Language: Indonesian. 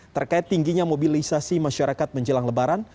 terkait tingginya mobilisasi masyarakat menjelang lebaran